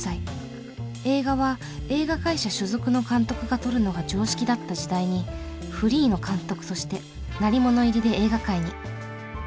映画は映画会社所属の監督が撮るのが常識だった時代にフリーの監督として鳴り物入りで映画界に。